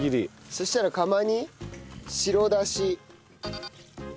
そしたら釜に白だし。